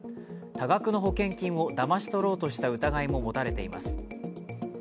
多額の保険金をだまし取ろうとした疑いも持たれています。